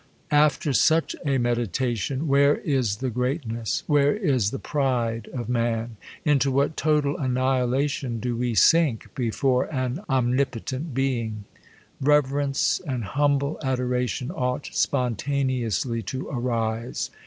After such a meditation, where is the greatness, where is the pride of man ? Into what total annihila tion do we sink, before an omnipotent Being f Rever ence, and humble adoration ought spontaneously to arise.